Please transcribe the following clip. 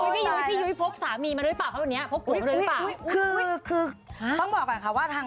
พี่ยุ้ยพกสามีมาได้หรือเปล่าเพราะว่าพกแม่หนูได้หรือเปล่า